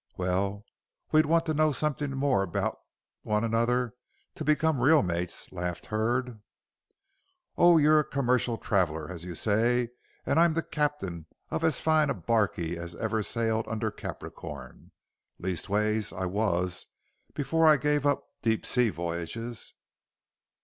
"Well, we'd want to know something more about one another to become real mates," laughed Hurd. "Oh, you're a commercial traveller, as you say, and I'm the captain of as fine a barkey as ever sailed under Capricorn. Leastways I was, afore I gave up deep sea voyages."